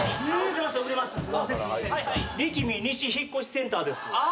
力見西引越センターです。